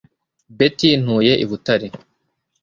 Betty Ntuye i Butare